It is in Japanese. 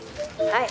はい。